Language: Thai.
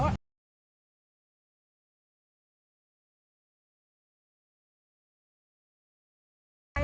สุดท้าย